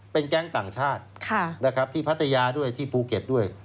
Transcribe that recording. เป็นแก๊งต่างชาติที่พัทยาด้วยที่ภูเก็ตด้วย